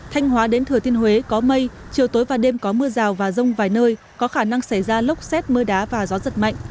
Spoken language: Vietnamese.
thanh hóa đến thừa thiên huế có mây chiều tối và đêm có mưa rào và rông vài nơi có khả năng xảy ra lốc xét mưa đá và gió giật mạnh